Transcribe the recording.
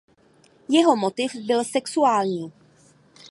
Jeho motiv byl sexuální.